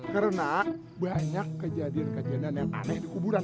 karena banyak kejadian kejadian yang aneh di kuburan